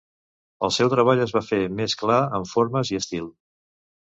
El seu treball es va fer més clar en formes i estil.